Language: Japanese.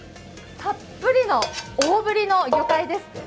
たっぷりの大ぶりの具材です。